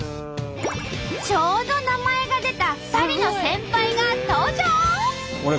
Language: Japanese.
ちょうど名前が出た２人の先輩が登場。